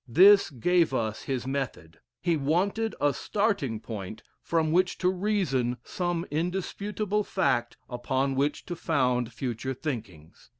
This gave us his method. He wanted a starting point from which to reason, some indisputable fact upon which to found future thinkings.